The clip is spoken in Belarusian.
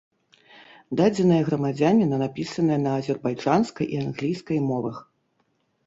Дадзеныя грамадзяніна напісаныя на азербайджанскай і англійскай мовах.